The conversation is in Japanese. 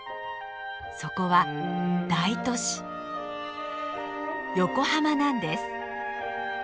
そこは大都市横浜なんです！